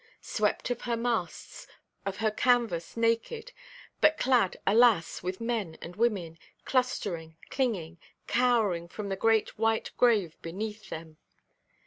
Swept of her masts, of her canvas naked; but clad, alas! with men and women, clustering, clinging, cowering from the great white grave beneath them.